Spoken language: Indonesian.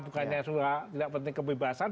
bukannya tidak penting kebebasan